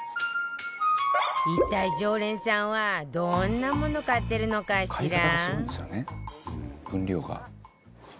一体常連さんは、どんなものを買っているのかしら。